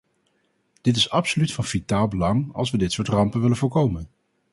Dit is absoluut van vitaal belang als we dit soort rampen willen voorkomen.